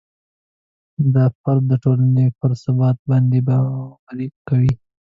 دا فرد د ټولنې پر ثبات باندې باوري کوي.